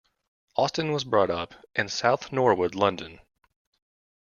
Austin was brought up in South Norwood, London.